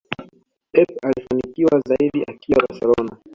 Pep alifanikiwa zaidi akiwa barcelona